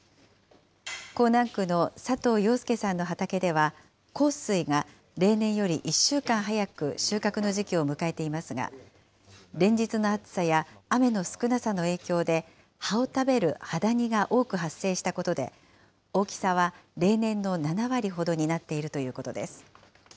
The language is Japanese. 江南区の佐藤陽介さんの畑では、幸水が例年より１週間早く収穫の時期を迎えていますが、連日の暑さや雨の少なさの影響で、葉を食べるハダニが多く発生したことで、大きさは例年の７割ほどになっているということです。